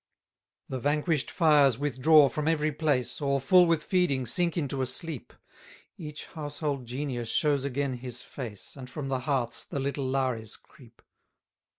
282 The vanquish'd fires withdraw from every place, Or, full with feeding, sink into a sleep: Each household genius shows again his face, And from the hearths the little Lares creep.